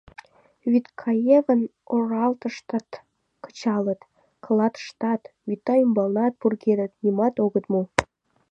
Вӱдкаевын оралтыштат кычалыт, клатыштат, вӱта ӱмбалнат пургедыт — нимом огыт му.